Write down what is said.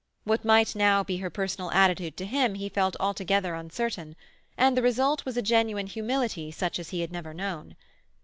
What might now be her personal attitude to him he felt altogether uncertain, and the result was a genuine humility such as he had never known.